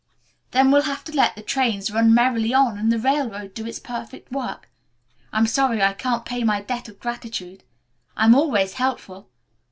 "Then we'll have to let the trains run merrily on, and the railroad do its perfect work. I'm sorry I can't pay my debt of gratitude. I am always helpful.